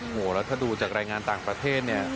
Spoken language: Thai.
โอ้โหแล้วถ้าดูจากรายงานต่างประเทศเนี่ย